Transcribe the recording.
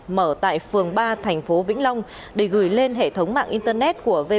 mở tại phường ba tp vĩnh long để gửi lên hệ thống mạng internet của vbpfc